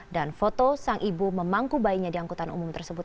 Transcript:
dan foto sang ibu memangku bayinya di angkutan umum tersebut